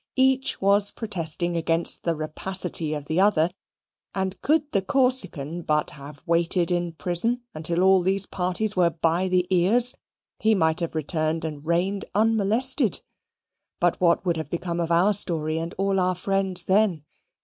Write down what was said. Each was protesting against the rapacity of the other; and could the Corsican but have waited in prison until all these parties were by the ears, he might have returned and reigned unmolested. But what would have become of our story and all our friends, then?